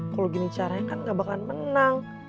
kalau gini caranya kan gak bakalan menang